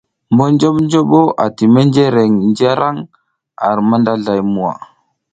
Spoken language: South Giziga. Monjoɓnjoɓo ati menjreŋ njǝraŋ ar mandazlay muwa.